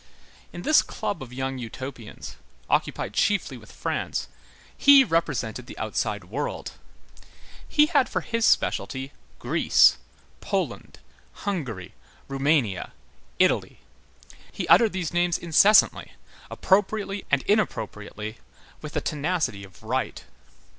In this club of young Utopians, occupied chiefly with France, he represented the outside world. He had for his specialty Greece, Poland, Hungary, Roumania, Italy. He uttered these names incessantly, appropriately and inappropriately, with the tenacity of right.